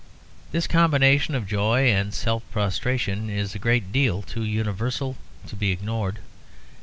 This combination of joy and self prostration is a great deal too universal to be ignored.